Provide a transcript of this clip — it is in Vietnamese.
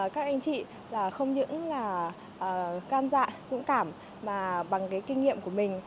các anh chị là không những là cam dạ dũng cảm mà bằng cái kinh nghiệm của mình